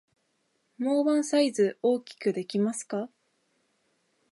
もうワンサイズ大きくできますか？